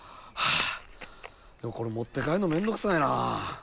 でもこれ持って帰るのめんどくさいな。